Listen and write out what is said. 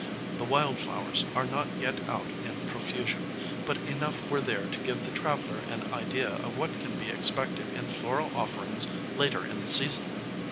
The wild flowers are not yet out in profusion, but enough were there to give the traveler an idea of what can be expected in floral offerings later in the season.